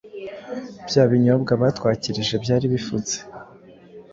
Bya binyobwa batwakirije byari bifutse.